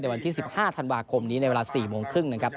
วันที่๑๕ธันวาคมนี้ในเวลา๔โมงครึ่งนะครับ